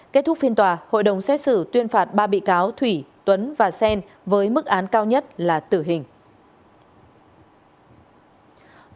kết thúc phiên tòa hội đồng xét xử tuyên phạt ba bị cáo thủy tuấn và sen với mức án cao nhất là tử hình